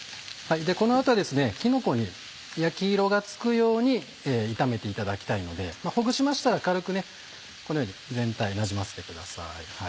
この後はきのこに焼き色がつくように炒めていただきたいのでほぐしましたら軽くこのように全体になじませてください。